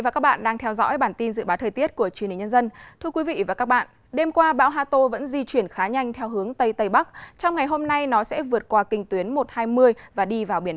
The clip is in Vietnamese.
các bạn hãy đăng ký kênh để ủng hộ kênh của chúng mình nhé